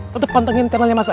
tentu pentengin channelnya mas al